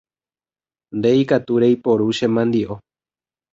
Nde ikatu reiporu che mandi’o.